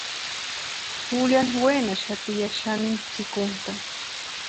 Juliani wénaxati ya xanini pʼikuntʼani.